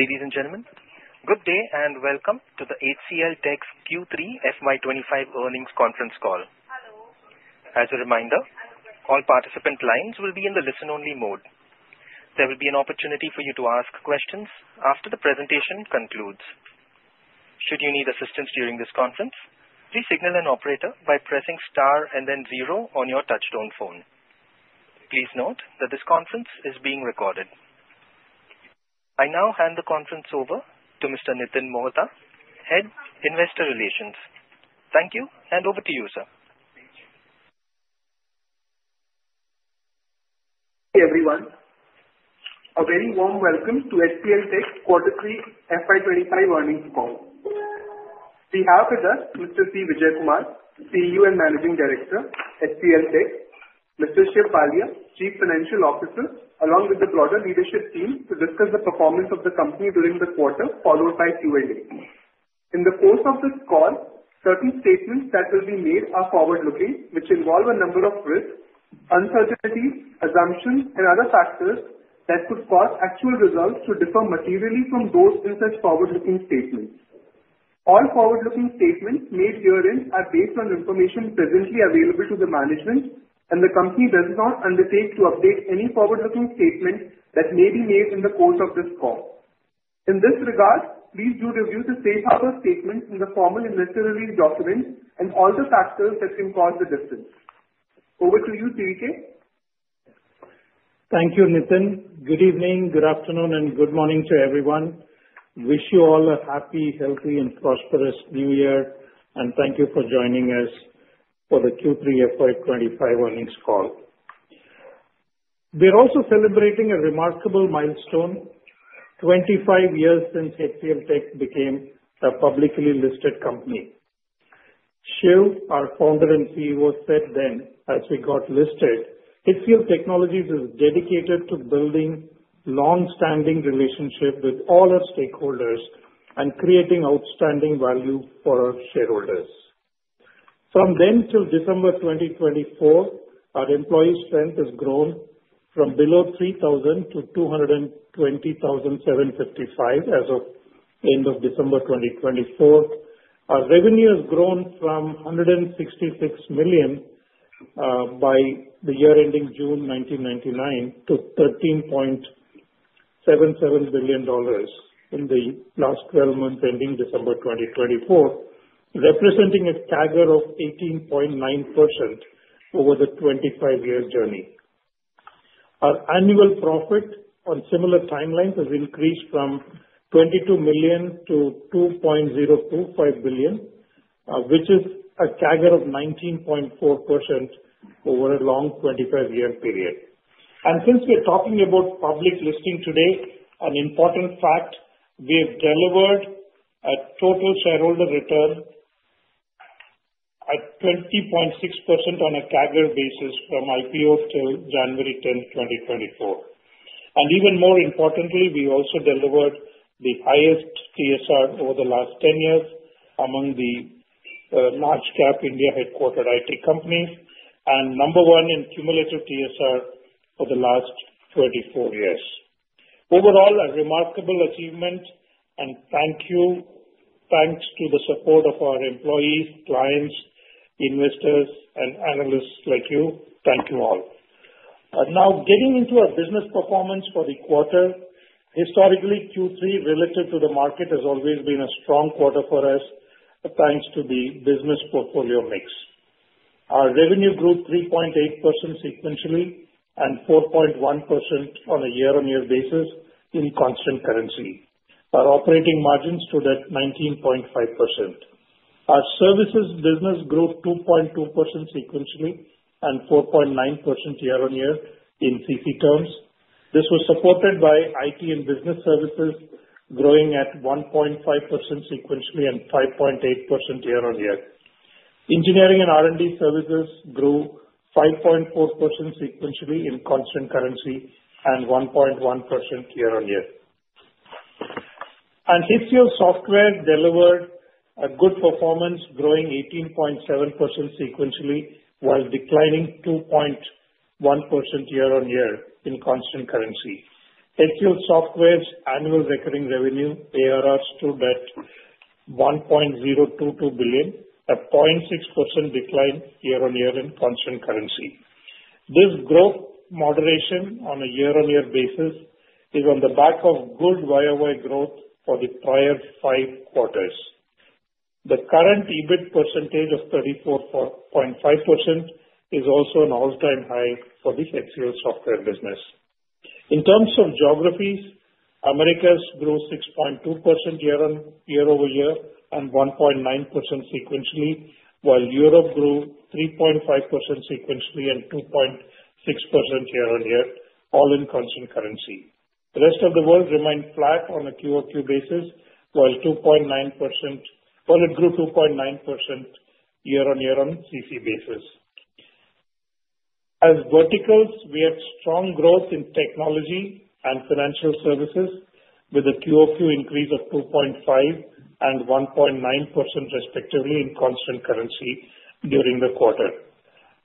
Ladies and gentlemen, good day and welcome to the HCLTech's Q3 FY25 earnings conference call. As a reminder, all participant lines will be in the listen-only mode. There will be an opportunity for you to ask questions after the presentation concludes. Should you need assistance during this conference, please signal an operator by pressing star and then zero on your touchtone phone. Please note that this conference is being recorded. I now hand the conference over to Mr. Nitin Mohta, Head Investor Relations. Thank you, and over to you, sir. Hey, everyone. A very warm welcome to HCLTech's quarter three FY25 earnings call. We have with us Mr. C. Vijayakumar, CEO and Managing Director, HCLTech, Mr. Shiv Walia, Chief Financial Officer, along with the broader leadership team to discuss the performance of the company during the quarter, followed by Q&A. In the course of this call, certain statements that will be made are forward-looking, which involve a number of risks, uncertainties, assumptions, and other factors that could cause actual results to differ materially from those in such forward-looking statements. All forward-looking statements made herein are based on information presently available to the management, and the company does not undertake to update any forward-looking statement that may be made in the course of this call. In this regard, please do review the safe harbor statements in the formal investor relations document and all the factors that can cause the difference. Over to you, CVK. Thank you, Nitin. Good evening, good afternoon, and good morning to everyone. Wish you all a happy, healthy, and prosperous New Year, and thank you for joining us for the Q3 FY25 earnings call. We are also celebrating a remarkable milestone: 25 years since HCLTech became a publicly listed company. Shiv, our founder and CEO, said then as we got listed, "HCLTechnologies is dedicated to building long-standing relationships with all our stakeholders and creating outstanding value for our shareholders." From then till December 2024, our employee strength has grown from below 3,000-220,755 as of end of December 2024. Our revenue has grown from $166 million by the year ending June 1999 to $13.77 billion in the last 12 months ending December 2024, representing a CAGR of 18.9% over the 25-year journey. Our annual profit on similar timelines has increased from $22 million-$2.025 billion, which is a CAGR of 19.4% over a long 25-year period. Since we're talking about public listing today, an important fact: we have delivered a total shareholder return at 20.6% on a CAGR basis from IPO till January 10, 2024. Even more importantly, we also delivered the highest TSR over the last 10 years among the large-cap India-headquartered IT companies and number one in cumulative TSR for the last 24 years. Overall, a remarkable achievement, and thank you. Thanks to the support of our employees, clients, investors, and analysts like you. Thank you all. Now, getting into our business performance for the quarter, historically, Q3 relative to the market has always been a strong quarter for us thanks to the business portfolio mix. Our revenue grew 3.8% sequentially and 4.1% on a year-on-year basis in constant currency. Our operating margins stood at 19.5%. Our services business grew 2.2% sequentially and 4.9% year-on-year in CC terms. This was supported by IT and Business Services growing at 1.5% sequentially and 5.8% year-on-year. Engineering and R&D Services grew 5.4% sequentially in constant currency and 1.1% year-on-year. HCL Software delivered a good performance, growing 18.7% sequentially while declining 2.1% year-on-year in constant currency. HCL Software's annual recurring revenue, ARR, stood at $1.022 billion, a 0.6% decline year-on-year in constant currency. This growth moderation on a year-on-year basis is on the back of good YOY growth for the prior five quarters. The current EBIT percentage of 34.5% is also an all-time high for the HCL Software business. In terms of geographies, Americas grew 6.2% year-on-year and 1.9% sequentially, while Europe grew 3.5% sequentially and 2.6% year-on-year, all in constant currency. The rest of the world remained flat on a QOQ basis, while it grew 2.9% year-on-year on CC basis. As verticals, we had strong growth in technology and financial services with a QOQ increase of 2.5% and 1.9% respectively in constant currency during the quarter.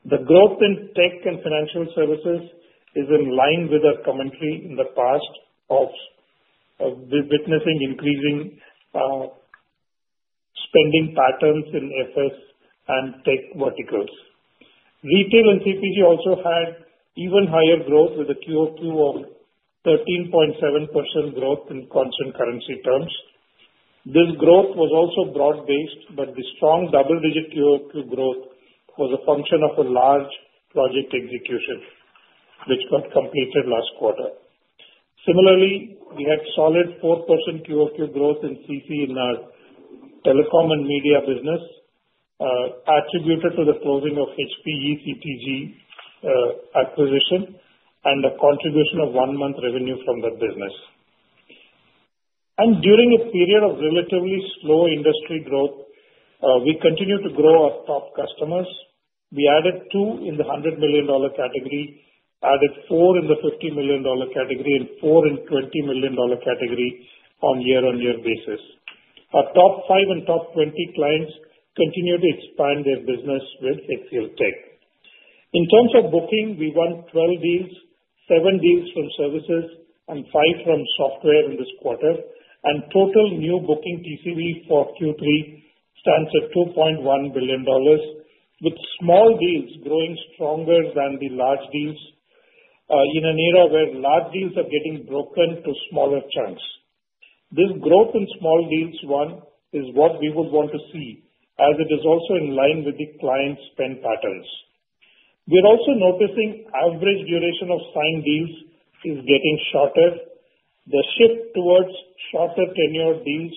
The growth in tech and financial services is in line with our commentary in the past of witnessing increasing spending patterns in FS and tech verticals. Retail and CPG also had even higher growth with a QOQ of 13.7% growth in constant currency terms. This growth was also broad-based, but the strong double-digit QOQ growth was a function of a large project execution, which got completed last quarter. Similarly, we had solid 4% QOQ growth in CC in our telecom and media business, attributed to the closing of HPE CTG acquisition and a contribution of one-month revenue from that business, and during a period of relatively slow industry growth, we continued to grow our top customers. We added two in the $100 million category, added four in the $50 million category, and four in the $20 million category on a year-on-year basis. Our top five and top 20 clients continued to expand their business with HCLTech. In terms of booking, we won 12 deals, 7 deals from services, and 5 from software in this quarter, and total new booking TCV for Q3 stands at $2.1 billion, with small deals growing stronger than the large deals in an era where large deals are getting broken to smaller chunks. This growth in small deals won is what we would want to see, as it is also in line with the client spend patterns. We're also noticing average duration of signed deals is getting shorter. The shift towards shorter tenure deals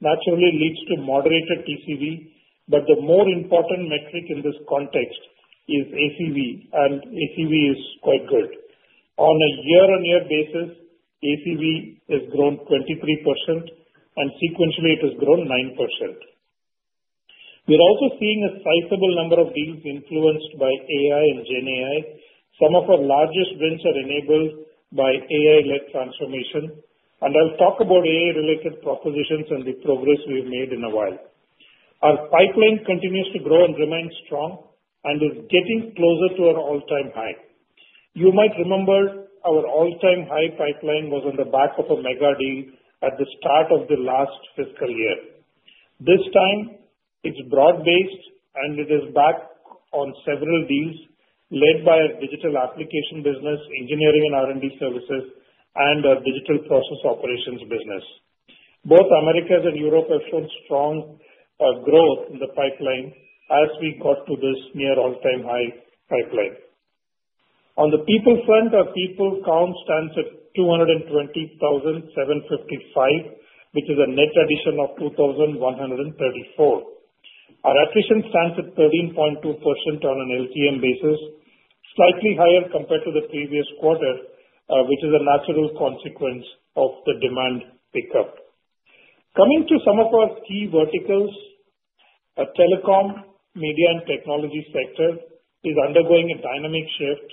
naturally leads to moderated TCV, but the more important metric in this context is ACV, and ACV is quite good. On a year-on-year basis, ACV has grown 23%, and sequentially, it has grown 9%. We're also seeing a sizable number of deals influenced by AI and GenAI. Some of our largest wins are enabled by AI-led transformation, and I'll talk about AI-related propositions and the progress we've made in a while. Our pipeline continues to grow and remain strong and is getting closer to our all-time high. You might remember our all-time high pipeline was on the back of a mega deal at the start of the last fiscal year. This time, it's broad-based, and it is back on several deals led by our digital application business, Engineering and R&D Services, and our digital process operations business. Both Americas and Europe have shown strong growth in the pipeline as we got to this near all-time high pipeline. On the people front, our people count stands at 220,755, which is a net addition of 2,134. Our attrition stands at 13.2% on an LTM basis, slightly higher compared to the previous quarter, which is a natural consequence of the demand pickup. Coming to some of our key verticals, our telecom, media, and technology sector is undergoing a dynamic shift,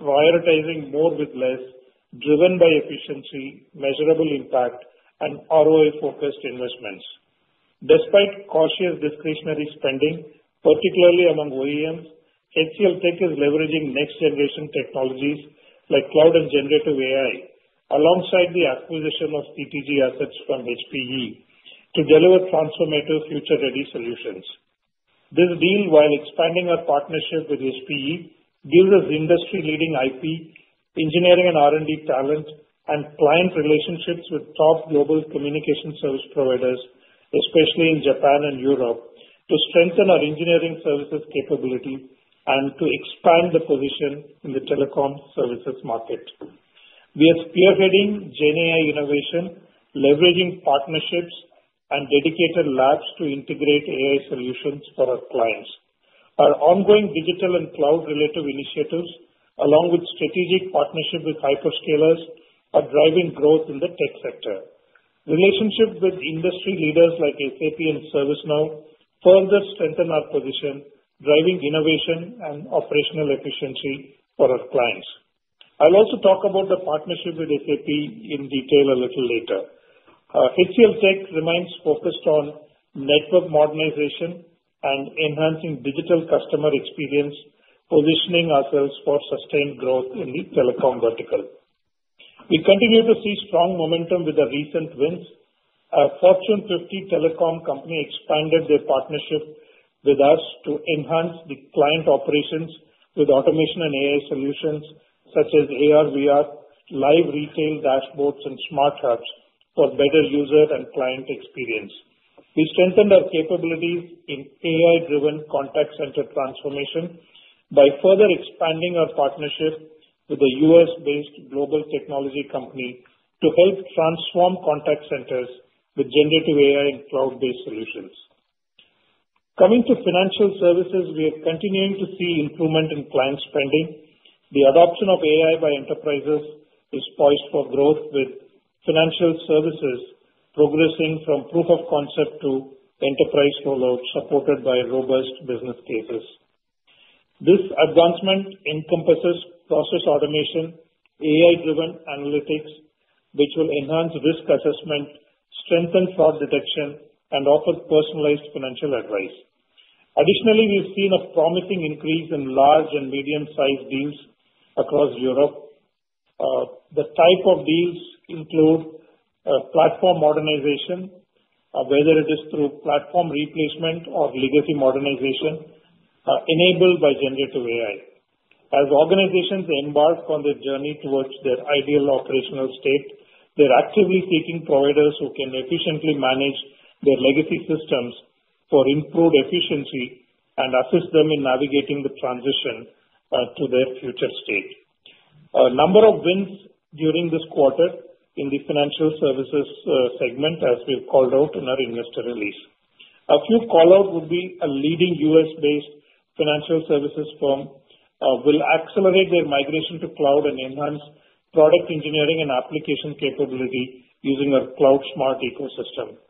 prioritizing more with less, driven by efficiency, measurable impact, and ROI-focused investments. Despite cautious discretionary spending, particularly among OEMs, HCLTech is leveraging next-generation technologies like cloud and generative AI alongside the acquisition of CTG assets from HPE to deliver transformative future-ready solutions. This deal, while expanding our partnership with HPE, gives us industry-leading IP, engineering and R&D talent, and client relationships with top global communication service providers, especially in Japan and Europe, to strengthen our engineering services capability and to expand the position in the telecom services market. We are spearheading GenAI innovation, leveraging partnerships and dedicated labs to integrate AI solutions for our clients. Our ongoing digital and cloud-related initiatives, along with strategic partnerships with hyperscalers, are driving growth in the tech sector. Relationships with industry leaders like SAP and ServiceNow further strengthen our position, driving innovation and operational efficiency for our clients. I'll also talk about the partnership with SAP in detail a little later. HCLTech remains focused on network modernization and enhancing digital customer experience, positioning ourselves for sustained growth in the telecom vertical. We continue to see strong momentum with the recent wins. Fortune 50 telecom company expanded their partnership with us to enhance the client operations with automation and AI solutions such as AR/VR, live retail dashboards, and smart hubs for better user and client experience. We strengthened our capabilities in AI-driven contact center transformation by further expanding our partnership with a U.S.-based global technology company to help transform contact centers with generative AI and cloud-based solutions. Coming to financial services, we are continuing to see improvement in client spending. The adoption of AI by enterprises is poised for growth, with financial services progressing from proof of concept to enterprise rollout supported by robust business cases. This advancement encompasses process automation, AI-driven analytics, which will enhance risk assessment, strengthen fraud detection, and offer personalized financial advice. Additionally, we've seen a promising increase in large and medium-sized deals across Europe. The type of deals include platform modernization, whether it is through platform replacement or legacy modernization enabled by generative AI. As organizations embark on their journey towards their ideal operational state, they're actively seeking providers who can efficiently manage their legacy systems for improved efficiency and assist them in navigating the transition to their future state. A number of wins during this quarter in the financial services segment, as we've called out in our investor release. A few callouts would be a leading US-based financial services firm will accelerate their migration to cloud and enhance product engineering and application capability using our cloud smart ecosystem.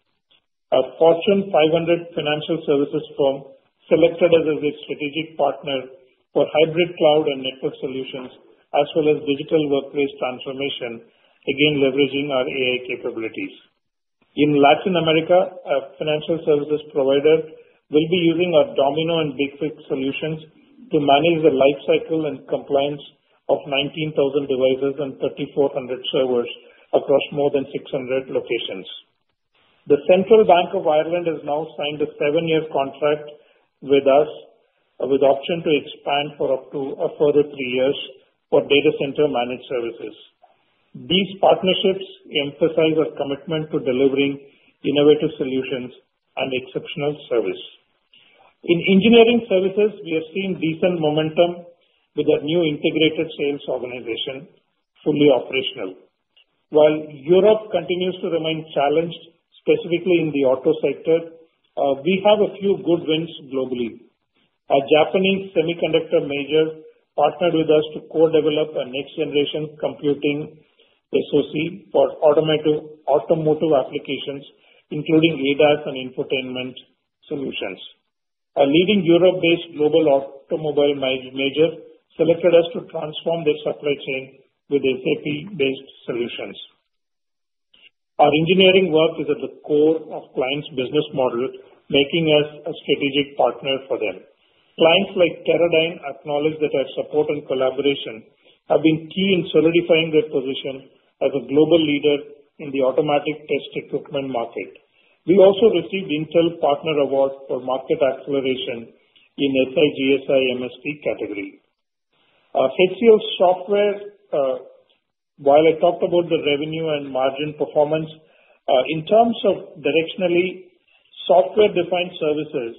A Fortune 500 financial services firm selected as a strategic partner for hybrid cloud and network solutions, as well as digital workplace transformation, again leveraging our AI capabilities. In Latin America, a financial services provider will be using our Domino and BigFix solutions to manage the lifecycle and compliance of 19,000 devices and 3,400 servers across more than 600 locations. The Central Bank of Ireland has now signed a seven-year contract with us, with the option to expand for up to a further three years for data center managed services. These partnerships emphasize our commitment to delivering innovative solutions and exceptional service. In engineering services, we have seen decent momentum with our new integrated sales organization fully operational. While Europe continues to remain challenged, specifically in the auto sector, we have a few good wins globally. A Japanese semiconductor major partnered with us to co-develop a next-generation computing SOC for automotive applications, including ADAS and infotainment solutions. A leading Europe-based global automobile major selected us to transform their supply chain with SAP-based solutions. Our engineering work is at the core of clients' business models, making us a strategic partner for them. Clients like Teradyne acknowledge that our support and collaboration have been key in solidifying their position as a global leader in the automatic test equipment market. We also received Intel Partner Award for market acceleration in SI GSI MSP category. HCL Software, while I talked about the revenue and margin performance, in terms of directionally, software-defined services,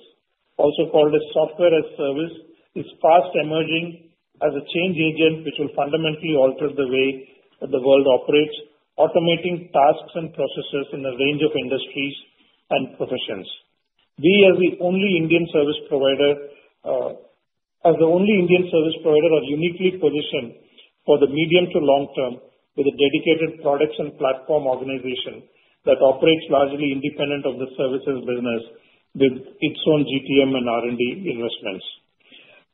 also called a software as a service, is fast emerging as a change agent which will fundamentally alter the way the world operates, automating tasks and processes in a range of industries and professions. We, as the only Indian service provider, are uniquely positioned for the medium to long term with a dedicated products and platform organization that operates largely independent of the services business, with its own GTM and R&D investments.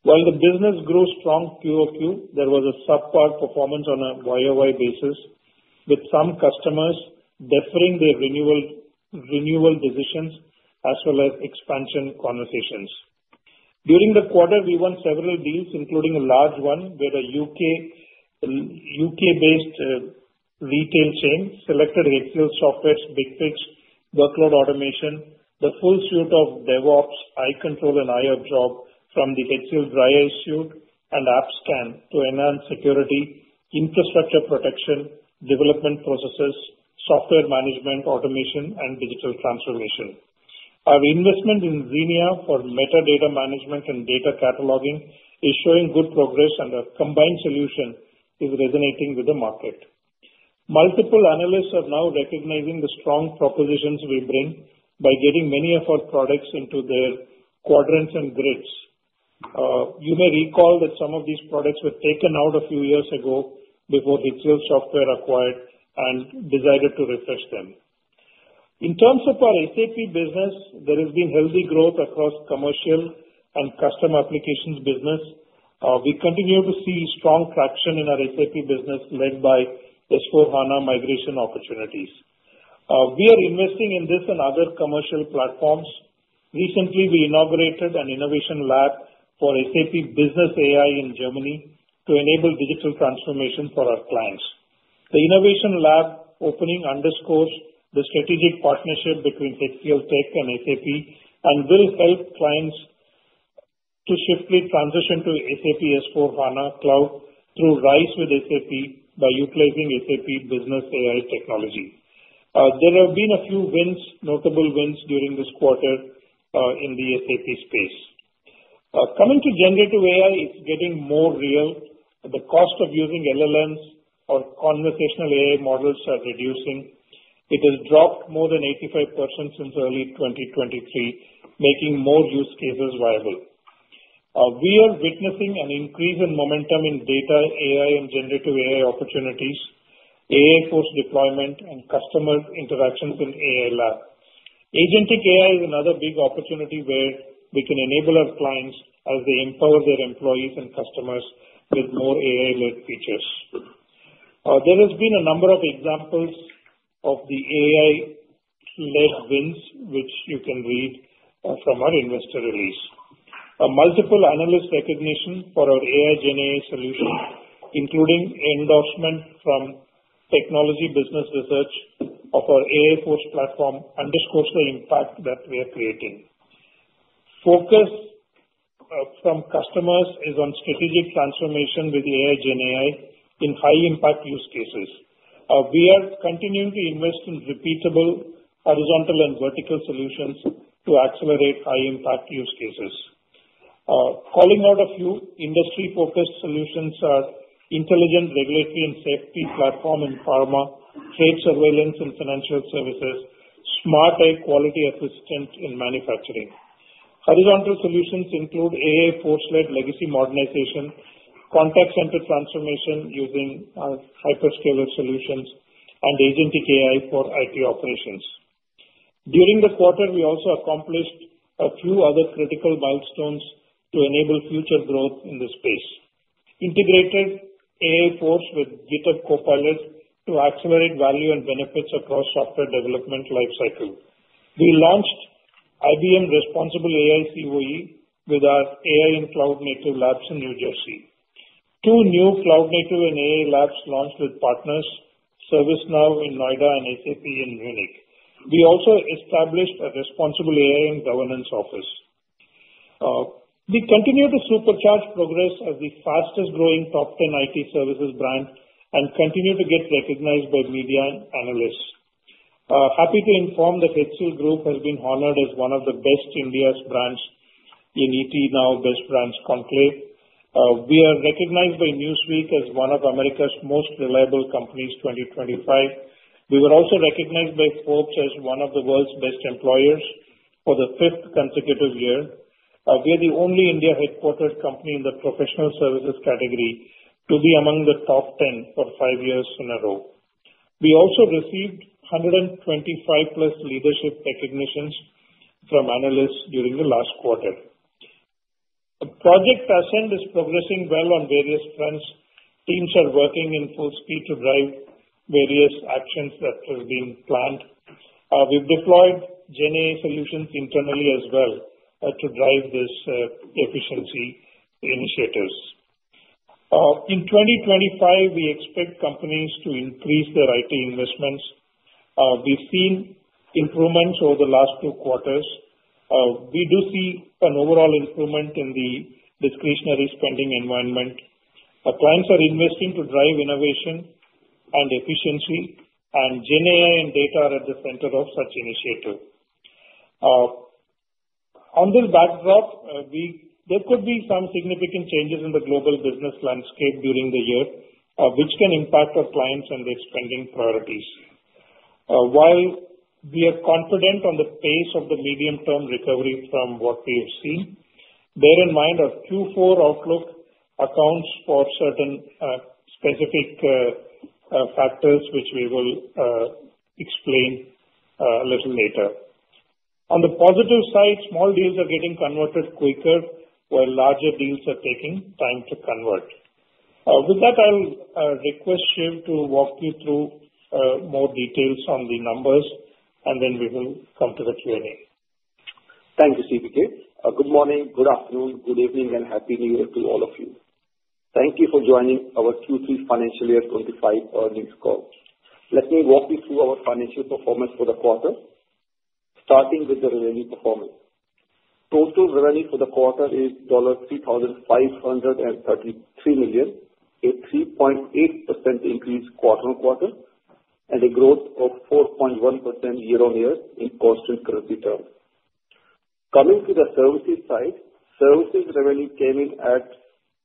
While the business grew strong QOQ, there was a subpar performance on a YOY basis, with some customers deferring their renewal decisions as well as expansion conversations. During the quarter, we won several deals, including a large one where a U.K.-based retail chain selected HCL Software's BigFix workload automation, the full suite of DevOps, iControl, and iOPS from the HCL DRYiCE suite and AppScan to enhance security, infrastructure protection, development processes, software management, automation, and digital transformation. Our investment in Zeenea for metadata management and data cataloging is showing good progress, and our combined solution is resonating with the market. Multiple analysts are now recognizing the strong propositions we bring by getting many of our products into their quadrants and grids. You may recall that some of these products were taken out a few years ago before HCL Software acquired and decided to refresh them. In terms of our SAP business, there has been healthy growth across commercial and customer applications business. We continue to see strong traction in our SAP business led by S/4HANA migration opportunities. We are investing in this and other commercial platforms. Recently, we inaugurated an innovation lab for SAP Business AI in Germany to enable digital transformation for our clients. The innovation lab opening underscores the strategic partnership between HCLTech and SAP and will help clients to shift the transition to SAP S/4HANA Cloud through RISE with SAP by utilizing SAP Business AI technology. There have been a few wins, notable wins during this quarter in the SAP space. Coming to generative AI, it's getting more real. The cost of using LLMs or conversational AI models is reducing. It has dropped more than 85% since early 2023, making more use cases viable. We are witnessing an increase in momentum in data AI and generative AI opportunities, AI Force deployment, and customer interactions in AI lab. Agentic AI is another big opportunity where we can enable our clients as they empower their employees and customers with more AI-led features. There has been a number of examples of the AI-led wins, which you can read from our investor release. Multiple analyst recognition for our AI GenAI solutions, including endorsement from Technology Business Research of our AI Force platform, underscores the impact that we are creating. Focus from customers is on strategic transformation with AI GenAI in high-impact use cases. We are continuing to invest in repeatable horizontal and vertical solutions to accelerate high-impact use cases. Calling out a few industry-focused solutions are intelligent regulatory and safety platform in pharma, trade surveillance, and financial services, smart tech quality assistant in manufacturing. Horizontal solutions include AI Force-led legacy modernization, contact center transformation using hyperscaler solutions, and agentic AI for IT operations. During the quarter, we also accomplished a few other critical milestones to enable future growth in the space. Integrated AI Force with GitHub Copilot to accelerate value and benefits across software development lifecycle. We launched IBM Responsible AI COE with our AI and cloud-native labs in New Jersey. Two new cloud-native and AI labs launched with partners, ServiceNow in Noida and SAP in Munich. We also established a responsible AI and governance office. We continue to supercharge progress as the fastest-growing top 10 IT services brand and continue to get recognized by media and analysts. Happy to inform that HCL Group has been honored as one of the best Indian brands in ET Now Best Brands Conclave. We are recognized by Newsweek as one of America's Most Reliable Companies 2025. We were also recognized by Forbes as one of the world's best employers for the fifth consecutive year. We are the only India-headquartered company in the professional services category to be among the top 10 for five years in a row. We also received 125+ leadership recognitions from analysts during the last quarter. The Project Ascent is progressing well on various fronts. Teams are working in full speed to drive various actions that have been planned. We've deployed GenAI solutions internally as well to drive these efficiency initiatives. In 2025, we expect companies to increase their IT investments. We've seen improvements over the last two quarters. We do see an overall improvement in the discretionary spending environment. Clients are investing to drive innovation and efficiency, and GenAI and data are at the center of such initiatives. On this backdrop, there could be some significant changes in the global business landscape during the year, which can impact our clients and their spending priorities. While we are confident on the pace of the medium-term recovery from what we have seen, bear in mind our Q4 outlook accounts for certain specific factors, which we will explain a little later. On the positive side, small deals are getting converted quicker, while larger deals are taking time to convert. With that, I'll request Shiv to walk you through more details on the numbers, and then we will come to the Q&A. Thank you, CVK. Good morning, good afternoon, good evening, and happy New Year to all of you. Thank you for joining our Q3 Financial Year 25 earnings call. Let me walk you through our financial performance for the quarter, starting with the revenue performance. Total revenue for the quarter is $3,533 million, a 3.8% increase quarter on quarter, and a growth of 4.1% year on year in constant currency terms. Coming to the services side, services revenue came in at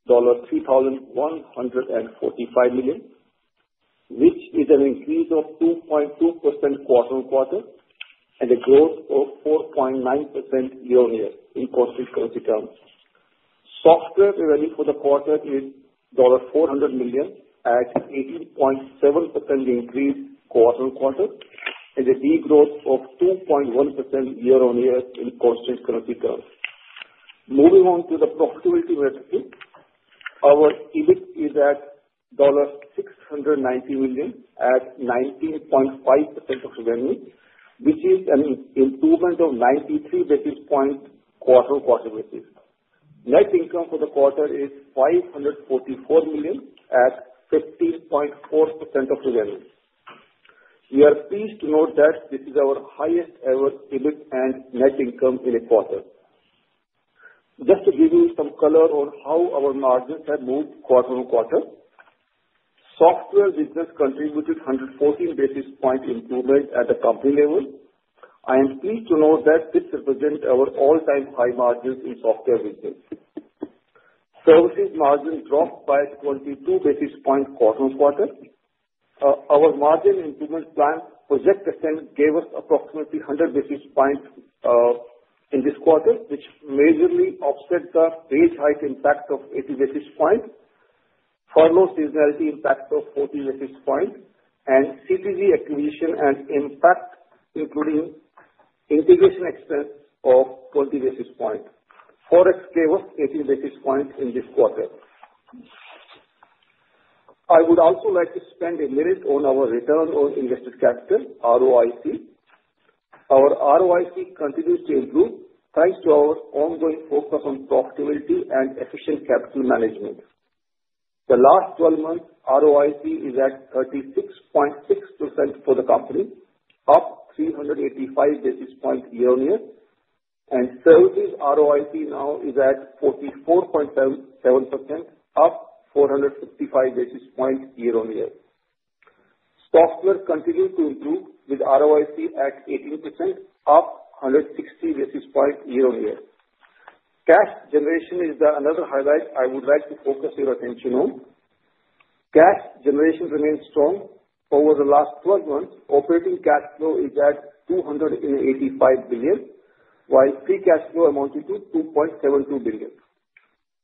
$3,145 million, which is an increase of 2.2% quarter on quarter, and a growth of 4.9% year on year in constant currency terms. Software revenue for the quarter is $400 million, an 18.7% increase quarter on quarter, and a degrowth of 2.1% year on year in constant currency terms. Moving on to the profitability metric, our EBIT is at $690 million, at 19.5% of revenue, which is an improvement of 93 basis points quarter on quarter basis. Net income for the quarter is $544 million, at 15.4% of revenue. We are pleased to note that this is our highest-ever EBIT and net income in a quarter. Just to give you some color on how our margins have moved quarter on quarter, software business contributed 114 basis points improvement at the company level. I am pleased to note that this represents our all-time high margins in software business. Services margin dropped by 22 basis points quarter on quarter. Our margin improvement plan projected gave us approximately 100 basis points in this quarter, which majorly offset the pay hike impact of 80 basis points, furlough seasonality impact of 40 basis points, and CTG acquisition and impact, including integration expense of 20 basis points. Forex gave us 80 basis points in this quarter. I would also like to spend a minute on our return on invested capital, ROIC. Our ROIC continues to improve thanks to our ongoing focus on profitability and efficient capital management. The last 12 months, ROIC is at 36.6% for the company, up 385 basis points year on year, and services ROIC now is at 44.7%, up 455 basis points year on year. Software continues to improve with ROIC at 18%, up 160 basis points year on year. Cash generation is another highlight I would like to focus your attention on. Cash generation remains strong over the last 12 months. Operating cash flow is at 285 billion, while free cash flow amounts to 2.72 billion.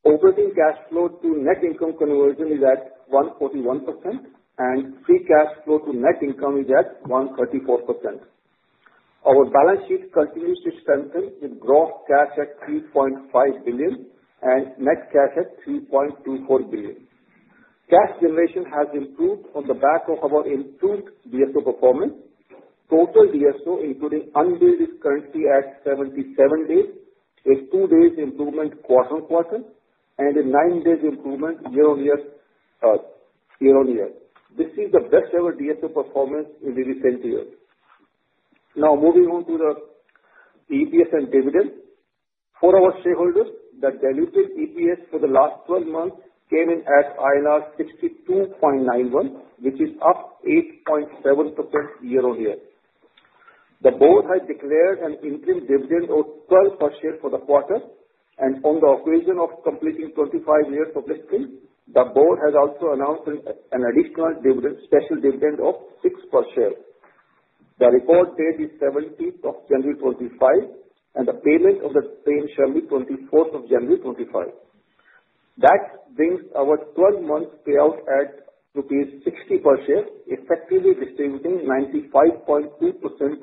Operating cash flow to net income conversion is at 141%, and free cash flow to net income is at 134%. Our balance sheet continues to strengthen with gross cash at 3.5 billion and net cash at 3.24 billion. Cash generation has improved on the back of our improved DSO performance. Total DSO, including unbilled current fee, at 77 days, a two-day improvement quarter on quarter, and a nine-day improvement year on year. This is the best-ever DSO performance in the recent year. Now, moving on to the EPS and dividend. For our shareholders, the delivered EPS for the last 12 months came in at INR 62.91, which is up 8.7% year on year. The board has declared an increased dividend of 12 per share for the quarter, and on the occasion of completing 25 years of listing, the board has also announced an additional special dividend of six per share. The report date is 17th of January 2025, and the payment date shall be 24th of January 2025. That brings our 12-month payout at rupees 60 per share, effectively distributing 95.2%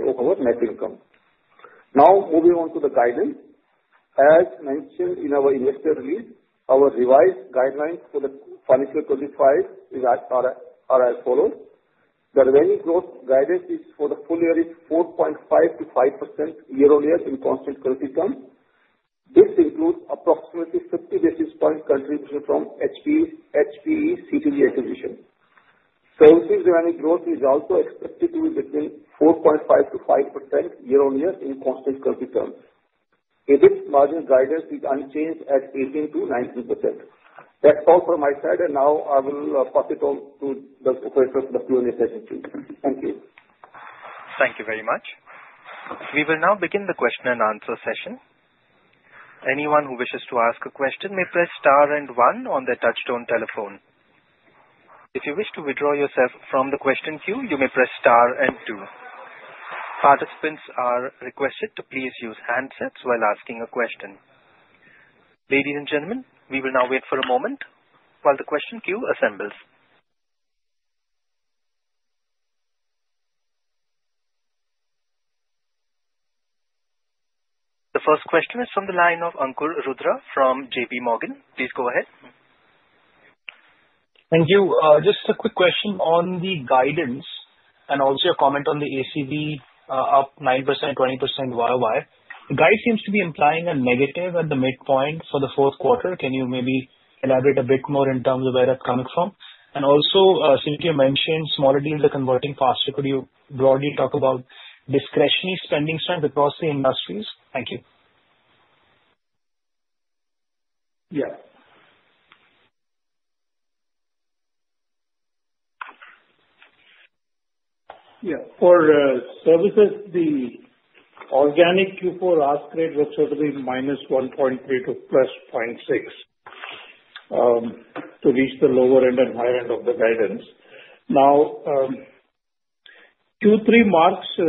of our net income. Now, moving on to the guidance. As mentioned in our investor release, our revised guidelines for the financial 2025 are as follows. The revenue growth guidance is for the full year, it's 4.5%-5% year on year in constant currency terms. This includes approximately 50 basis point contribution from HPE CTG acquisition. Services revenue growth is also expected to be between 4.5%-5% year on year in constant currency terms. EBIT margin guidance is unchanged at 18%-19%. That's all from my side, and now I will pass it on to the operators for the Q&A session too. Thank you. Thank you very much. We will now begin the question and answer session. Anyone who wishes to ask a question may press star and one on their touch-tone telephone. If you wish to withdraw yourself from the question queue, you may press star and two. Participants are requested to please use handsets while asking a question. Ladies and gentlemen, we will now wait for a moment while the question queue assembles. The first question is from the line of Ankur Rudra from JP Morgan. Please go ahead. Thank you. Just a quick question on the guidance and also a comment on the ACV up 9%, 20%, why? The guidance seems to be implying a negative at the midpoint for the fourth quarter. Can you maybe elaborate a bit more in terms of where that's coming from? And also, since you mentioned smaller deals are converting faster, could you broadly talk about discretionary spending strength across the industries? Thank you. Yes. Yeah. For services, the organic Q4 guidance was sort of a -1.3 to +0.6 to reach the lower end and higher end of the guidance. Now, Q3 onwards,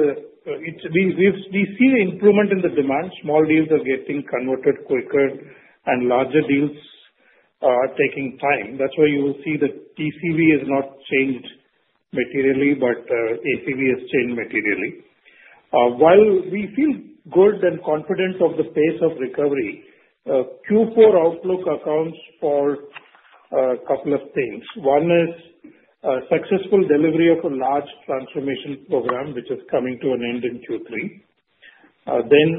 we see an improvement in the demand. Small deals are getting converted quicker, and larger deals are taking time. That's why you will see the TCV has not changed materially, but ACV has changed materially. While we feel good and confident of the pace of recovery, Q4 outlook accounts for a couple of things. One is successful delivery of a large transformation program, which is coming to an end in Q3. Then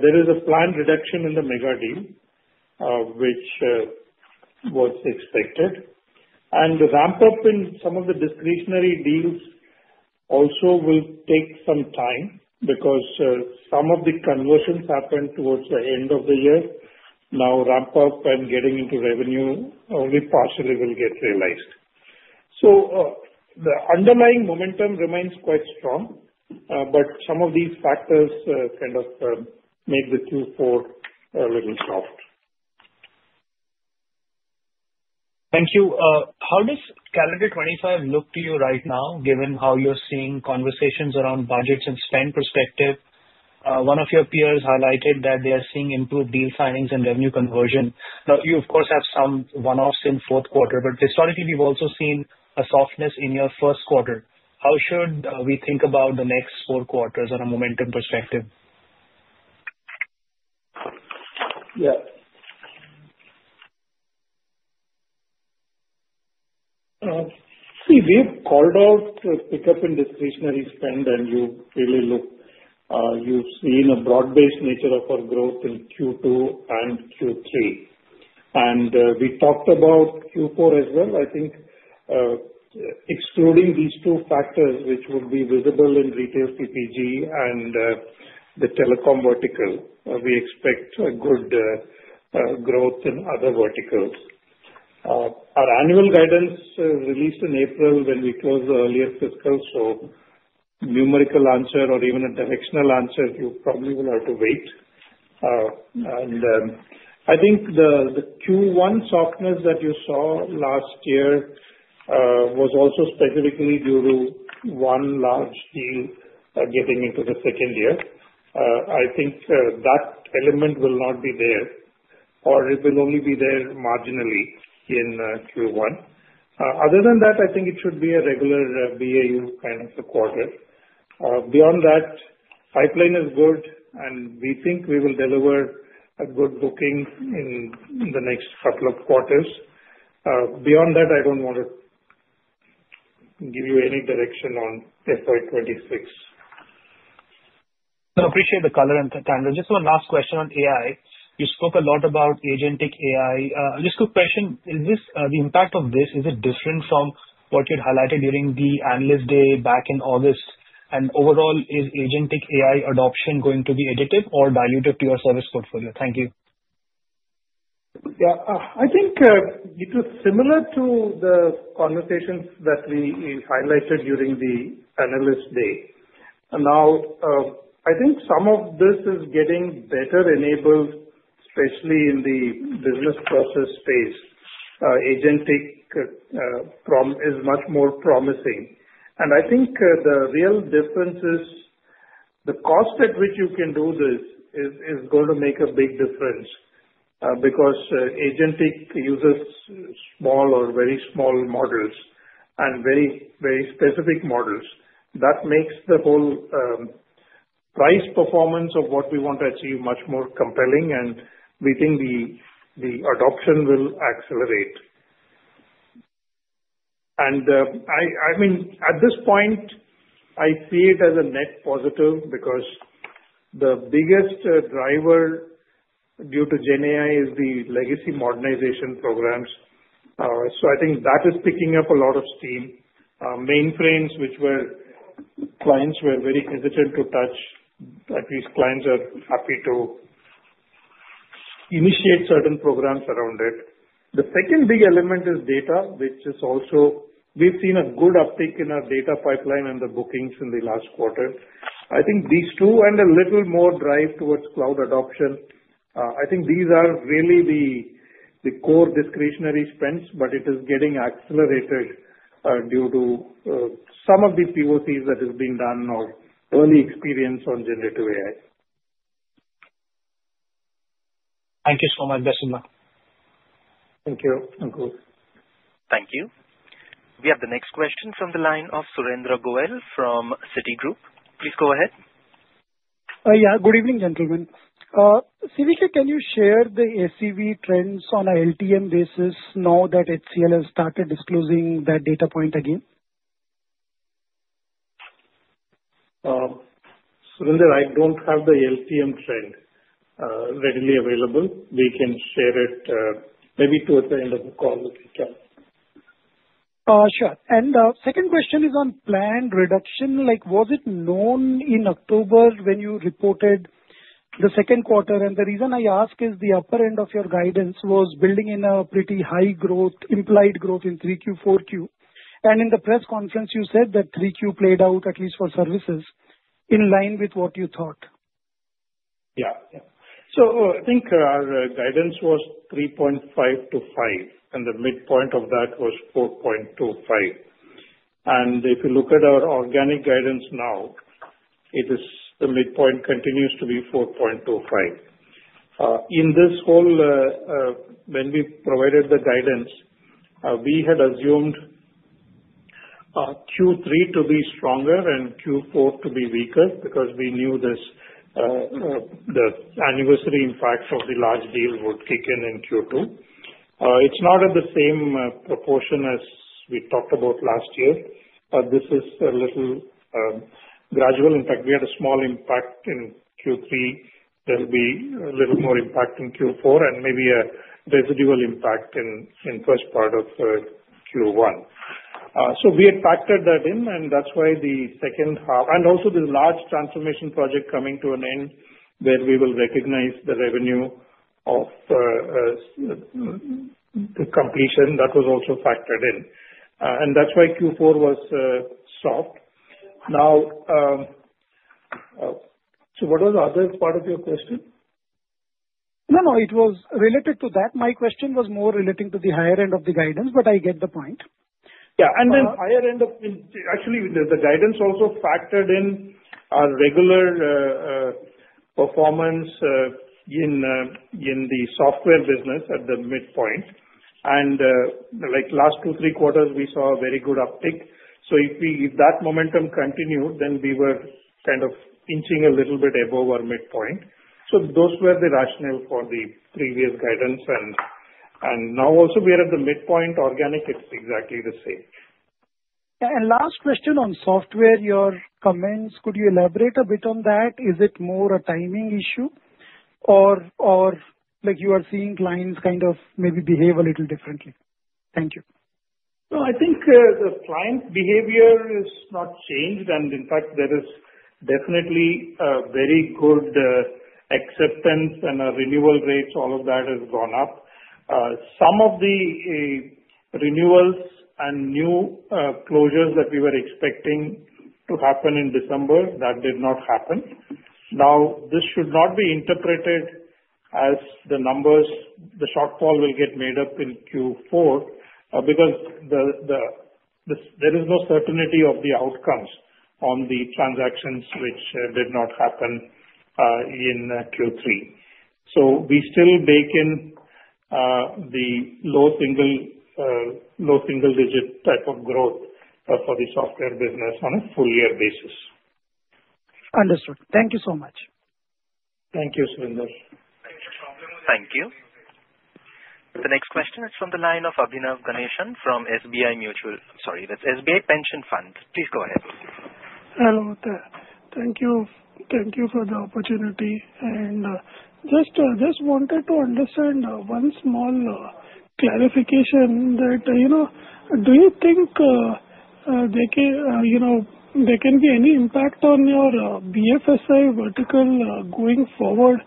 there is a planned reduction in the mega deal, which was expected, and the ramp-up in some of the discretionary deals also will take some time because some of the conversions happened towards the end of the year. Now, ramp-up and getting into revenue only partially will get realized, so the underlying momentum remains quite strong, but some of these factors kind of make the Q4 a little soft. Thank you. How does calendar 25 look to you right now, given how you're seeing conversations around budgets and spend perspective? One of your peers highlighted that they are seeing improved deal signings and revenue conversion. Now, you, of course, have some one-offs in fourth quarter, but historically, we've also seen a softness in your first quarter. How should we think about the next four quarters on a momentum perspective? Yeah. See, we've called out the pickup in discretionary spend, and you really look you've seen a broad-based nature of our growth in Q2 and Q3, and we talked about Q4 as well. I think excluding these two factors, which would be visible in retail CPG and the telecom vertical, we expect good growth in other verticals. Our annual guidance released in April when we closed the earlier fiscal, so numerical answer or even a directional answer, you probably will have to wait, and I think the Q1 softness that you saw last year was also specifically due to one large deal getting into the second year. I think that element will not be there, or it will only be there marginally in Q1. Other than that, I think it should be a regular BAU kind of a quarter. Beyond that, pipeline is good, and we think we will deliver a good booking in the next couple of quarters. Beyond that, I don't want to give you any direction on FY26. I appreciate the color and the tangent. Just one last question on AI. You spoke a lot about Agentic AI. Just a quick question, is this the impact of this? Is it different from what you'd highlighted during the Analyst Day back in August? And overall, is Agentic AI adoption going to be additive or dilutive to your service portfolio? Thank you. Yeah. I think it was similar to the conversations that we highlighted during the Analyst Day. Now, I think some of this is getting better enabled, especially in the business process space. Agentic is much more promising. I think the real difference is the cost at which you can do this is going to make a big difference because agentic uses small or very small models and very, very specific models. That makes the whole price performance of what we want to achieve much more compelling, and we think the adoption will accelerate. I mean, at this point, I see it as a net positive because the biggest driver due to GenAI is the legacy modernization programs. I think that is picking up a lot of steam. Mainframes, which clients were very hesitant to touch, at least clients are happy to initiate certain programs around it. The second big element is data, which is also we've seen a good uptake in our data pipeline and the bookings in the last quarter. I think these two and a little more drive towards cloud adoption. I think these are really the core discretionary spends, but it is getting accelerated due to some of the POCs that have been done or early experience on generative AI. Thank you so much, Basundar. Thank you, Ankur. Thank you. We have the next question from the line of Surendra Goyal from Citigroup. Please go ahead. Yeah. Good evening, gentlemen. CVK, can you share the ACV trends on a LTM basis now that HCL has started disclosing that data point again? Surendra, I don't have the LTM trend readily available. We can share it maybe towards the end of the call if you can. Sure. And the second question is on planned reduction. Was it known in October when you reported the second quarter? The reason I ask is the upper end of your guidance was building in a pretty high growth, implied growth in Q3, Q4. In the press conference, you said that Q3 played out, at least for services, in line with what you thought. Yeah. Yeah. So I think our guidance was 3.5%-5%, and the midpoint of that was 4.25%. If you look at our organic guidance now, the midpoint continues to be 4.25%. In this whole, when we provided the guidance, we had assumed Q3 to be stronger and Q4 to be weaker because we knew the anniversary impact of the large deal would kick in in Q2. It's not at the same proportion as we talked about last year. This is a little gradual. In fact, we had a small impact in Q3. There'll be a little more impact in Q4 and maybe a residual impact in the first part of Q1. So we had factored that in, and that's why the second half and also the large transformation project coming to an end where we will recognize the revenue of the completion, that was also factored in. And that's why Q4 was soft. Now, so what was the other part of your question? No, no. It was related to that. My question was more relating to the higher end of the guidance, but I get the point. Yeah. And then higher end of actually, the guidance also factored in our regular performance in the software business at the midpoint. And last two, three quarters, we saw a very good uptick. So if that momentum continued, then we were kind of inching a little bit above our midpoint. Those were the rationale for the previous guidance. Now, also, we are at the midpoint. Organic, it's exactly the same. Yeah. Last question on software, your comments, could you elaborate a bit on that? Is it more a timing issue or you are seeing clients kind of maybe behave a little differently? Thank you. I think the client behavior has not changed, and in fact, there is definitely very good acceptance and our renewal rates, all of that has gone up. Some of the renewals and new closures that we were expecting to happen in December, that did not happen. Now, this should not be interpreted as the numbers, the shortfall will get made up in Q4 because there is no certainty of the outcomes on the transactions, which did not happen in Q3. So we still bake in the low single-digit type of growth for the software business on a full-year basis. Understood. Thank you so much. Thank you, Surendra. Thank you. The next question is from the line of Abhinav Ganeshan from SBI Mutual. I'm sorry. That's SBI Pension Fund. Please go ahead. Hello there. Thank you. Thank you for the opportunity. And just wanted to understand one small clarification that do you think there can be any impact on your BFSI vertical going forward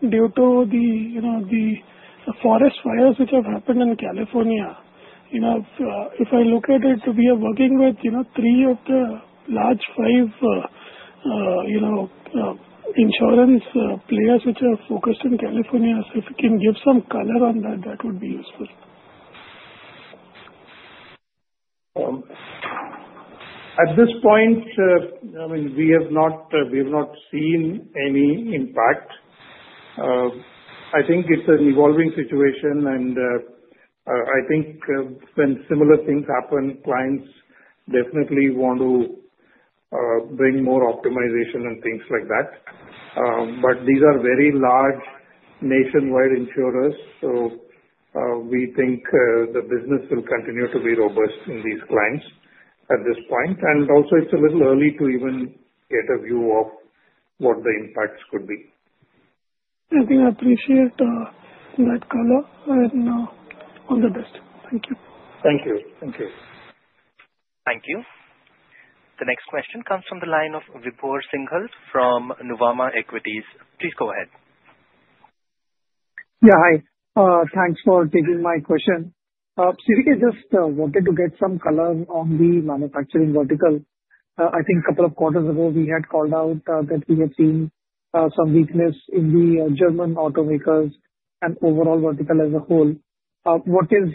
due to the forest fires which have happened in California? If I look at it, we are working with three of the large five insurance players which are focused in California. So if you can give some color on that, that would be useful. At this point, I mean, we have not seen any impact. I think it's an evolving situation, and I think when similar things happen, clients definitely want to bring more optimization and things like that. But these are very large nationwide insurers, so we think the business will continue to be robust in these clients at this point. And also, it's a little early to even get a view of what the impacts could be. I think I appreciate that color. And all the best. Thank you. Thank you. Thank you. Thank you. The next question comes from the line of Vibhor Singhal from Nuvama Equities. Please go ahead. Yeah. Hi. Thanks for taking my question. CVK, I just wanted to get some color on the manufacturing vertical. I think a couple of quarters ago, we had called out that we had seen some weakness in the German automakers and overall vertical as a whole. What is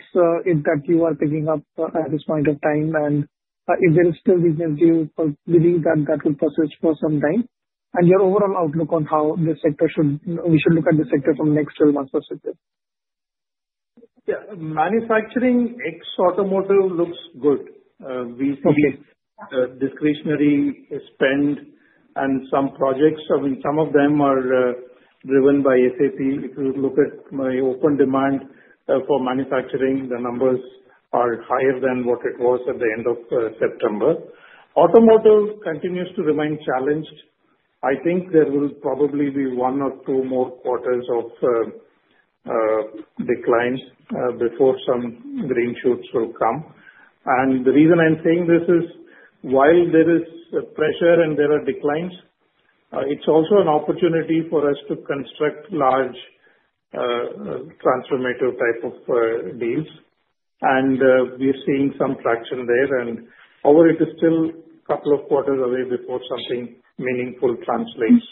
it that you are picking up at this point of time, and is there still weakness? Do you believe that that will persist for some time? And your overall outlook on how the sector should look at the sector from next 12 months' perspective? Yeah. Manufacturing ex Automotive looks good. We see discretionary spend and some projects. I mean, some of them are driven by SAP. If you look at my open demand for manufacturing, the numbers are higher than what it was at the end of September. Automotive continues to remain challenged. I think there will probably be one or two more quarters of declines before some green shoots will come. And the reason I'm saying this is while there is pressure and there are declines, it's also an opportunity for us to construct large transformative type of deals. And we're seeing some traction there, and however, it is still a couple of quarters away before something meaningful translates.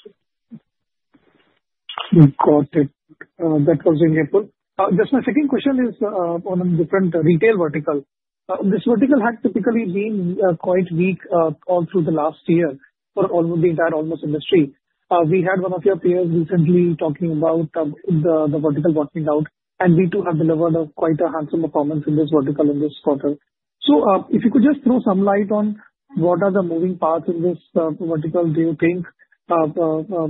Got it. That was in April. Just my second question is on a different retail vertical. This vertical had typically been quite weak all through the last year for the entire almost industry. We had one of your peers recently talking about the vertical bottoming out, and we too have delivered quite a handsome performance in this vertical in this quarter. So if you could just throw some light on what are the moving parts in this vertical, do you think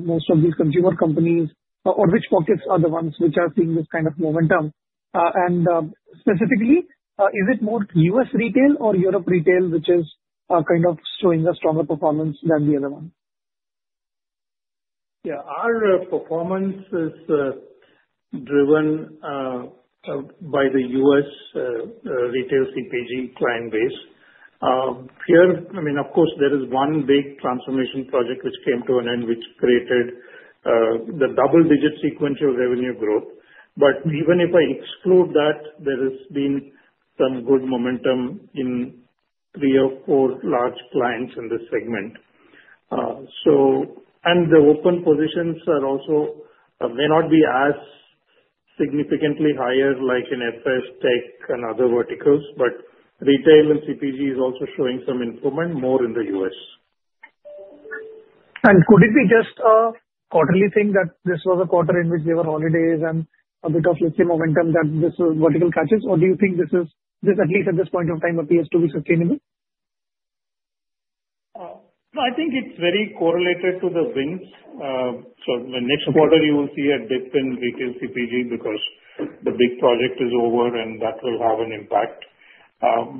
most of these consumer companies or which pockets are the ones which are seeing this kind of momentum? And specifically, is it more US retail or Europe retail which is kind of showing a stronger performance than the other one? Yeah. Our performance is driven by the U.S. retail CPG client base. Here, I mean, of course, there is one big transformation project which came to an end which created the double-digit sequential revenue growth. But even if I exclude that, there has been some good momentum in three or four large clients in this segment. And the open positions may not be as significantly higher like in FS Tech and other verticals, but retail and CPG is also showing some improvement more in the U.S. And could it be just a quarterly thing that this was a quarter in which there were holidays and a bit of liquid momentum that this vertical catches, or do you think this is, at least at this point of time, appears to be sustainable? I think it's very correlated to the wins. So next quarter, you will see a dip in retail CPG because the big project is over, and that will have an impact.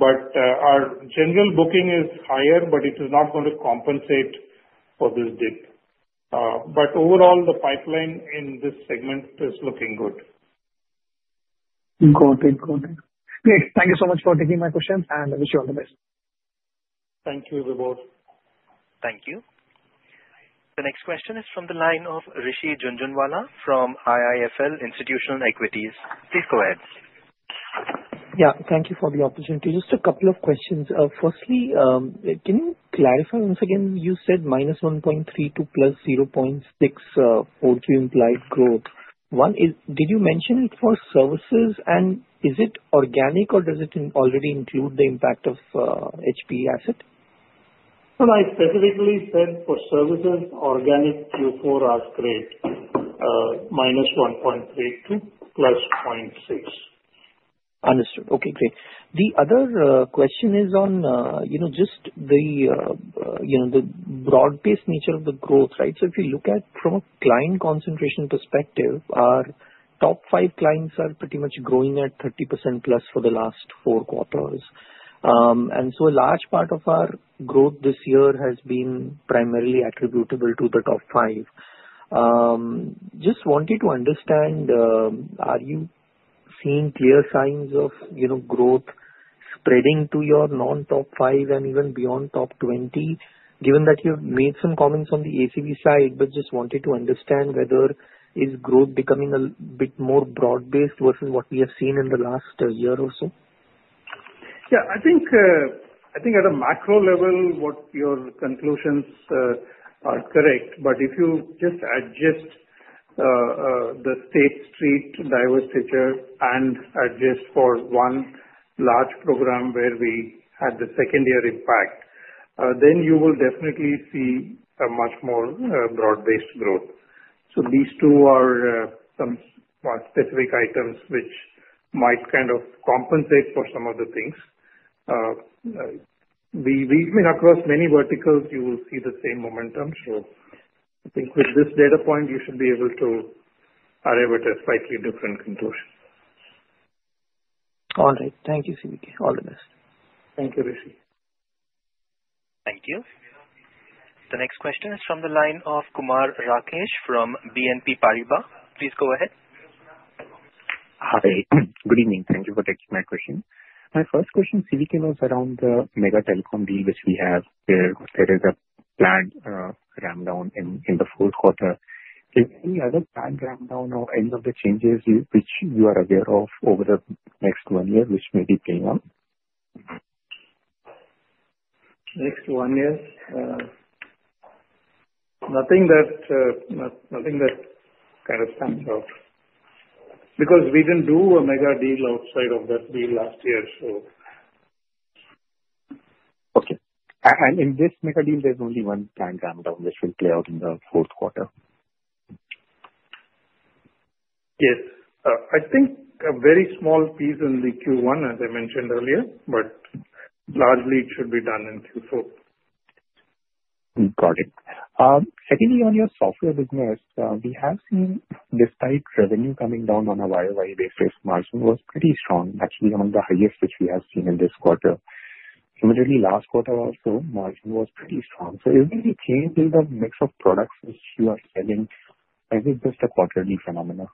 But our general booking is higher, but it is not going to compensate for this dip. But overall, the pipeline in this segment is looking good. Got it. Got it. Great. Thank you so much for taking my questions, and I wish you all the best. Thank you, Vibhor. Thank you. The next question is from the line of Rishi Jhunjhunwala from IIFL Institutional Equities. Please go ahead. Yeah. Thank you for the opportunity. Just a couple of questions. Firstly, can you clarify once again? You said minus 1.3 to +0.642 implied growth. Did you mention it for services, and is it organic, or does it already include the impact of HPE asset? No, I specifically said for services, organic Q4 was great, -1.3% to +0.6%. Understood. Okay. Great. The other question is on just the broad-based nature of the growth, right? So if you look at from a client concentration perspective, our top five clients are pretty much growing at 30%+ for the last four quarters. And so a large part of our growth this year has been primarily attributable to the top five. Just wanted to understand, are you seeing clear signs of growth spreading to your non-top five and even beyond top 20? Given that you've made some comments on the ACV side, but just wanted to understand whether growth is becoming a bit more broad-based versus what we have seen in the last year or so? Yeah. I think at a macro level, your conclusions are correct. But if you just adjust the State Street divestiture and adjust for one large program where we had the second-year impact, then you will definitely see a much more broad-based growth. So these two are some specific items which might kind of compensate for some of the things. We've been across many verticals, you will see the same momentum. So I think with this data point, you should be able to arrive at a slightly different conclusion. All right. Thank you, Vijay. All the best. Thank you, Rishi. Thank you. The next question is from the line of Kumar Rakesh from BNP Paribas. Please go ahead. Hi. Good evening. Thank you for taking my question. My first question, Vijay, was around the mega telecom deal which we have where there is a planned rundown in the fourth quarter. Is there any other planned rundown or any of the changes which you are aware of over the next one year which may be playing out? Next one year? Nothing that kind of stands out because we didn't do a mega deal outside of that deal last year, so. Okay. And in this mega deal, there's only one planned rundown which will play out in the fourth quarter? Yes. I think a very small piece in the Q1, as I mentioned earlier, but largely it should be done in Q4. Got it. Secondly, on your software business, we have seen, despite revenue coming down, on a YoY basis margin, it was pretty strong. Actually, among the highest which we have seen in this quarter. Similarly, last quarter also, margin was pretty strong. So is there any change in the mix of products which you are selling? Is it just a quarterly phenomenon?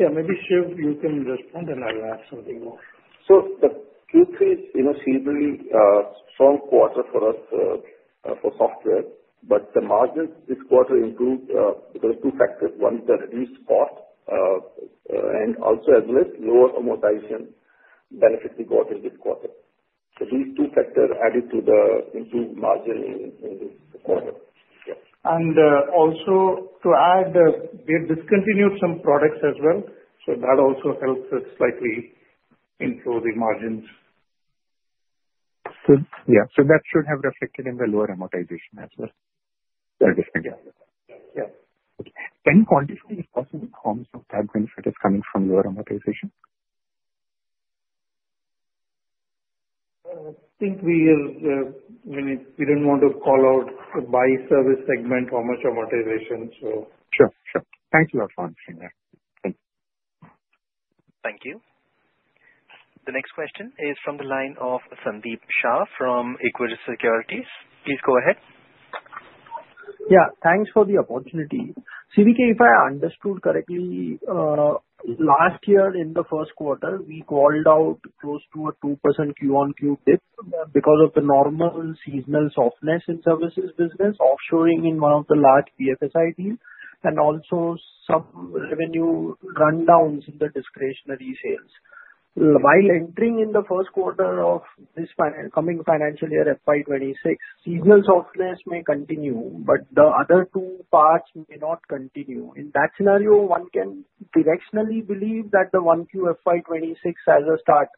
Yeah. Maybe Shiv, you can respond, and I'll add something more. The Q3 is a similarly strong quarter for us for software, but the margins this quarter improved because of two factors. One is the reduced cost, and also as well as lower amortization benefits we got in this quarter. These two factors added to the improved margin in this quarter. Also to add, we have discontinued some products as well, so that also helps us slightly improve the margins. Yeah. That should have reflected in the lower amortization as well. That is correct. Yeah. Can you quantify if possible the forms of that benefit is coming from lower amortization? I think we don't want to call out by service segment how much amortization, so. Sure. Sure. Thank you a lot for answering that. Thank you. Thank you. The next question is from the line of Sandeep Shah from Equirus Securities. Please go ahead. Yeah. Thanks for the opportunity. CVK, if I understood correctly, last year in the first quarter, we called out close to a 2% QoQ dip because of the normal seasonal softness in services business offshoring in one of the large BFSI deals and also some revenue rundowns in the discretionary sales. While entering in the first quarter of this coming financial year FY26, seasonal softness may continue, but the other two parts may not continue. In that scenario, one can directionally believe that the 1Q FY26 as a start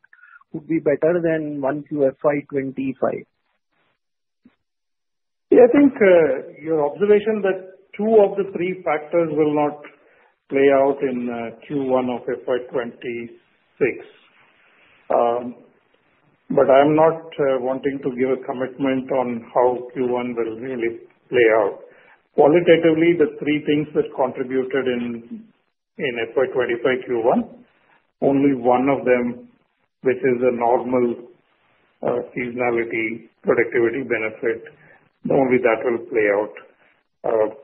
would be better than 1Q FY25. Yeah. I think your observation that two of the three factors will not play out in Q1 of FY26, but I'm not wanting to give a commitment on how Q1 will really play out. Qualitatively, the three things that contributed in FY25 Q1, only one of them, which is a normal seasonality productivity benefit, normally that will play out.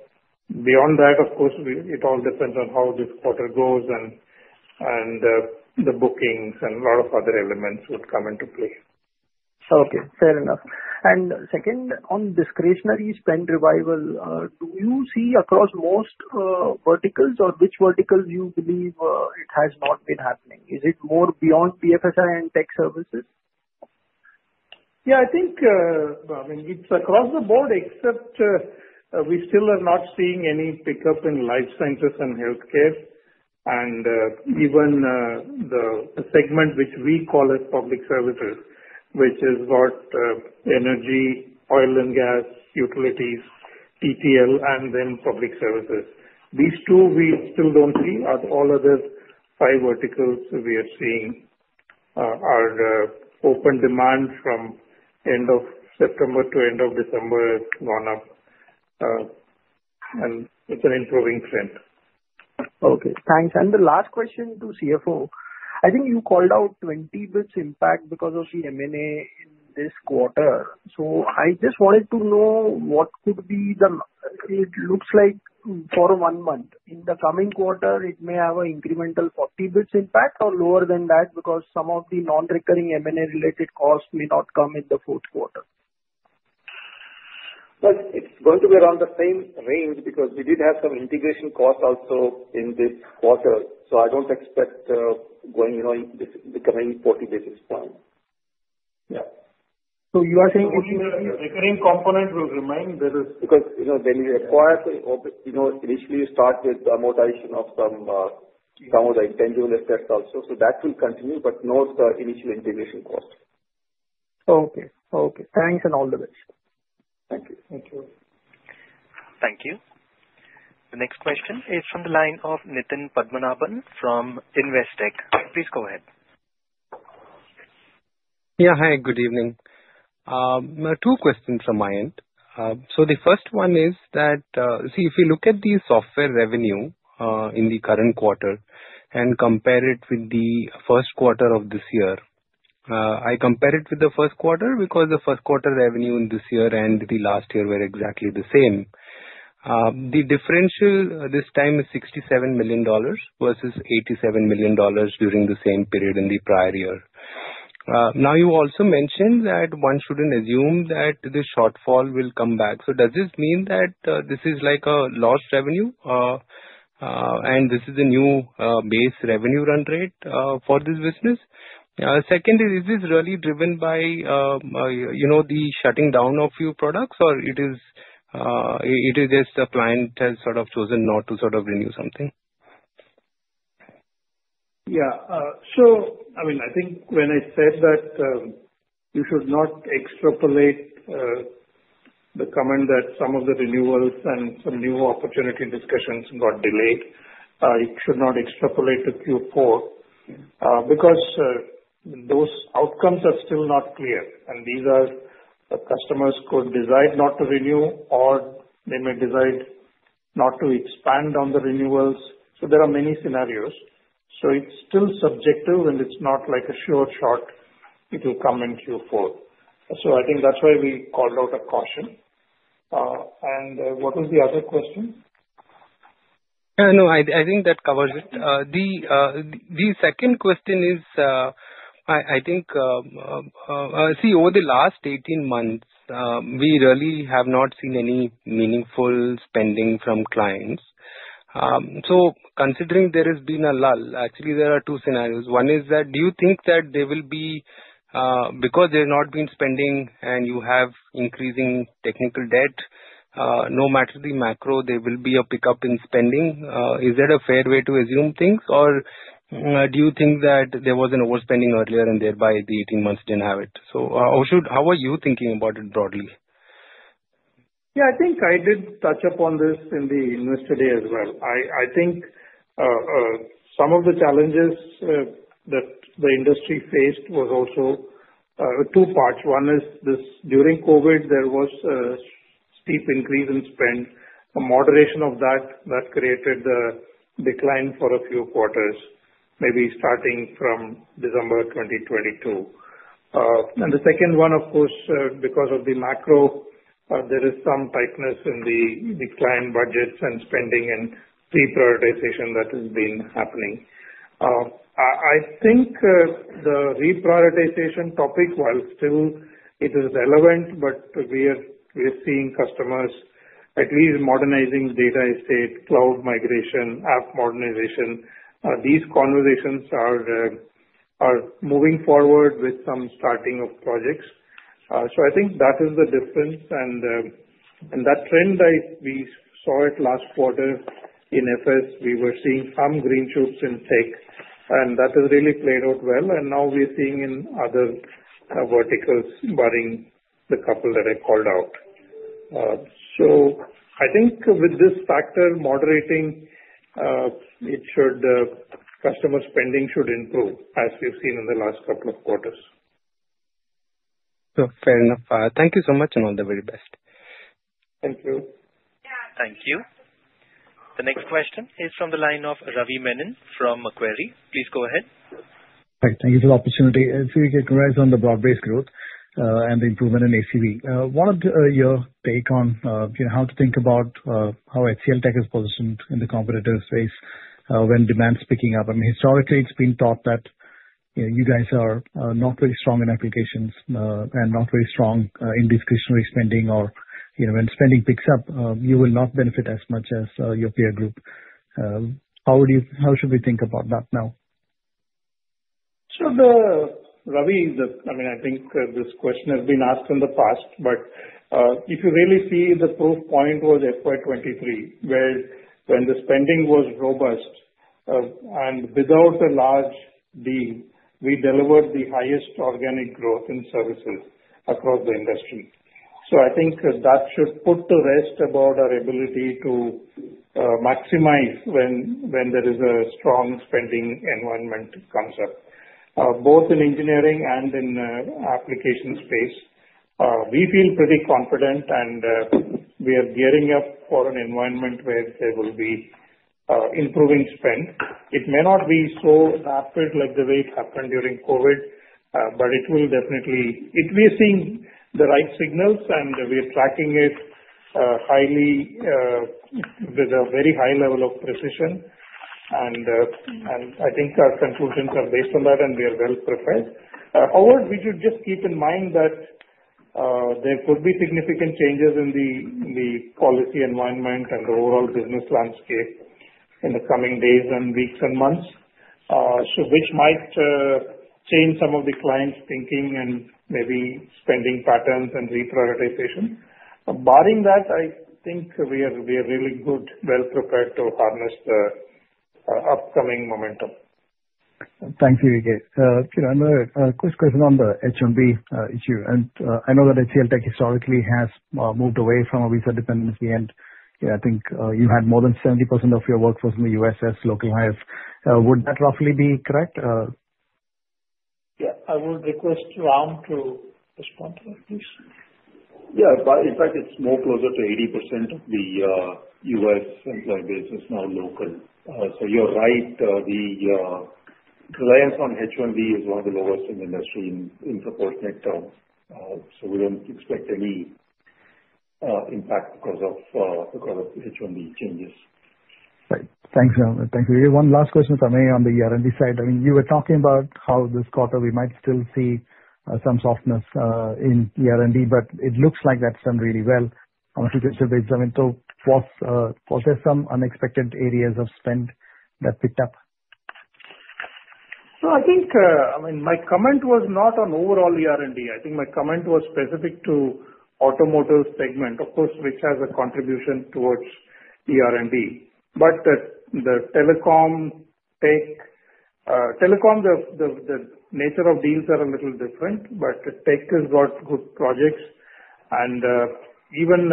Beyond that, of course, it all depends on how this quarter goes and the bookings and a lot of other elements would come into play. Okay. Fair enough. And second, on discretionary spend revival, do you see across most verticals or which verticals you believe it has not been happening? Is it more beyond BFSI and tech services? Yeah. I think, I mean, it's across the board, except we still are not seeing any pickup in life sciences and healthcare. And even the segment which we call as public services, which is what energy, oil and gas, utilities, TTL, and then public services. These two we still don't see. All other five verticals we are seeing are open demand from end of September to end of December has gone up, and it's an improving trend. Okay. Thanks. And the last question to CFO. I think you called out 20 basis points impact because of the M&A in this quarter. So I just wanted to know what could be the impact. It looks like for one month. In the coming quarter, it may have an incremental 40 basis points impact or lower than that because some of the non-recurring M&A-related costs may not come in the fourth quarter. Well, it's going to be around the same range because we did have some integration costs also in this quarter, so I don't expect going becoming 40 basis points expansion. Yeah. So you are saying only recurring component will remain because when we acquire, initially you start with amortization of some of the intangible assets also. So that will continue, but not the initial integration cost. Okay. Okay. Thanks and all the best. Thank you. Thank you. Thank you. The next question is from the line of Nitin Padmanabhan from Investec. Please go ahead. Yeah. Hi. Good evening. Two questions from my end. So the first one is that, see, if you look at the software revenue in the current quarter and compare it with the first quarter of this year, I compared it with the first quarter because the first quarter revenue in this year and the last year were exactly the same. The differential this time is $67 million versus $87 million during the same period in the prior year. Now, you also mentioned that one shouldn't assume that the shortfall will come back. So does this mean that this is like a lost revenue, and this is a new base revenue run rate for this business? Second, is this really driven by the shutting down of few products, or it is just a client has sort of chosen not to sort of renew something? Yeah. So, I mean, I think when I said that you should not extrapolate the comment that some of the renewals and some new opportunity discussions got delayed, it should not extrapolate to Q4 because those outcomes are still not clear. And these are customers could decide not to renew, or they may decide not to expand on the renewals. So there are many scenarios. So it's still subjective, and it's not like a sure shot it will come in Q4. So I think that's why we called out a caution. And what was the other question? No, I think that covers it. The second question is, I think, see, over the last 18 months, we really have not seen any meaningful spending from clients. So considering there has been a lull, actually, there are two scenarios. One is that do you think that there will be, because there's not been spending and you have increasing technical debt, no matter the macro, there will be a pickup in spending? Is that a fair way to assume things, or do you think that there was an overspending earlier and thereby the 18 months didn't have it? So how are you thinking about it broadly? Yeah. I think I did touch upon this in the investor day as well. I think some of the challenges that the industry faced was also two parts. One is this during COVID, there was a steep increase in spend. A moderation of that created the decline for a few quarters, maybe starting from December 2022, and the second one, of course, because of the macro, there is some tightness in the client budgets and spending and reprioritization that has been happening. I think the reprioritization topic, while still it is relevant, but we are seeing customers at least modernizing data estate, cloud migration, app modernization. These conversations are moving forward with some starting of projects, so I think that is the difference, and that trend, we saw it last quarter in FS, we were seeing some green shoots in tech, and that has really played out well, and now we're seeing in other verticals barring the couple that I called out, so I think with this factor, moderating, customer spending should improve as we've seen in the last couple of quarters, so fair enough. Thank you so much and all the very best. Thank you. Thank you. The next question is from the line of Ravi Menon from Macquarie. Please go ahead. Thank you for the opportunity. C.V.K., you congrats on the broad-based growth and the improvement in ACV. What is your take on how to think about how HCL Tech is positioned in the competitive space when demand's picking up? I mean, historically, it's been thought that you guys are not very strong in applications and not very strong in discretionary spending, or when spending picks up, you will not benefit as much as your peer group. How should we think about that now? So, Ravi, I mean, I think this question has been asked in the past, but if you really see, the proof point was FY23, where when the spending was robust and without a large deal, we delivered the highest organic growth in services across the industry. I think that should put to rest about our ability to maximize when there is a strong spending environment comes up, both in engineering and in application space. We feel pretty confident, and we are gearing up for an environment where there will be improving spend. It may not be so rapid like the way it happened during COVID, but it will definitely, we're seeing the right signals, and we're tracking it with a very high level of precision. I think our conclusions are based on that, and we are well prepared. However, we should just keep in mind that there could be significant changes in the policy environment and the overall business landscape in the coming days and weeks and months, which might change some of the clients' thinking and maybe spending patterns and reprioritization. Barring that, I think we are really good, well prepared to harness the upcoming momentum. Thanks, CVK. Another quick question on the H-1B issue. And I know that HCL Tech historically has moved away from a visa dependency, and I think you had more than 70% of your workforce in the U.S. as local hires. Would that roughly be correct? Yeah. I would request Ram to respond to that, please. Yeah. In fact, it's more closer to 80% of the U.S. employee base is now local. So you're right. The reliance on H-1B is one of the lowest in the industry in proportionate terms. So we don't expect any impact because of H-1B changes. Right. Thanks, Ram. Thank you. One last question for me on the R&D side. I mean, you were talking about how this quarter we might still see some softness in ER&D, but it looks like that's done really well on a YOY basis. I mean, was there some unexpected areas of spend that picked up? Well, I think, I mean, my comment was not on overall ER&D. I think my comment was specific to automotive segment, of course, which has a contribution towards ER&D. But the telecom tech, telecom, the nature of deals are a little different, but tech has got good projects. And even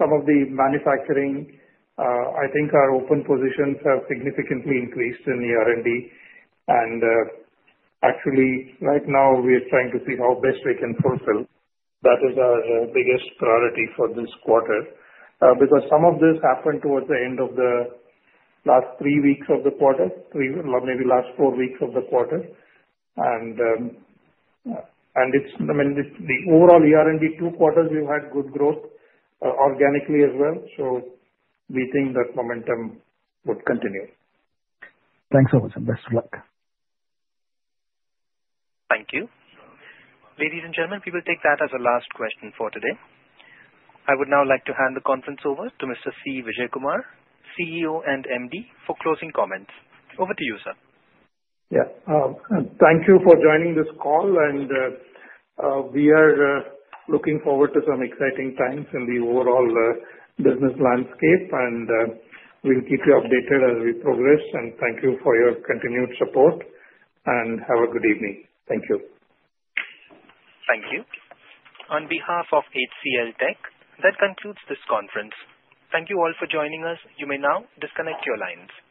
some of the manufacturing, I think our open positions have significantly increased in ER&D. And actually, right now, we are trying to see how best we can fulfill. That is our biggest priority for this quarter because some of this happened towards the end of the last three weeks of the quarter, maybe last four weeks of the quarter. And I mean, the overall ER&D two quarters, we've had good growth organically as well. So we think that momentum would continue. Thanks so much. And best of luck. Thank you. Ladies and gentlemen, we will take that as a last question for today. I would now like to hand the conference over to Mr. C. Vijayakumar, CEO and MD, for closing comments. Over to you, sir. Yeah. Thank you for joining this call. And we are looking forward to some exciting times in the overall business landscape. And we'll keep you updated as we progress. And thank you for your continued support. And have a good evening. Thank you. Thank you. On behalf of HCL Tech, that concludes this conference. Thank you all for joining us. You may now disconnect your lines.